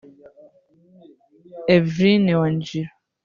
Evelyn Wanjiru